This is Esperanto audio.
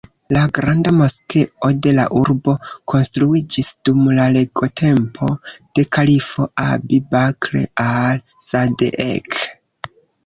La granda moskeo de la urbo konstruiĝis dum la regotempo de kalifo "Abi-Bakr Al-Sadeek".